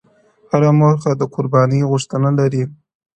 هره موخه د قربانۍ غوښتنه لري؛